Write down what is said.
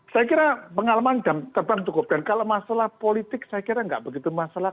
saya kira pengalaman terbang cukup dan kalau masalah politik saya kira nggak begitu masalah